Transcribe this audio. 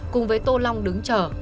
cùng với tô long đứng chở